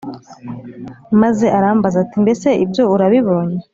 Maze arambaza ati Mbese ibyo urabibonye